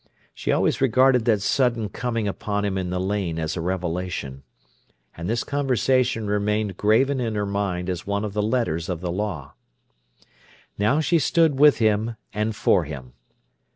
She always regarded that sudden coming upon him in the lane as a revelation. And this conversation remained graven in her mind as one of the letters of the law. Now she stood with him and for him.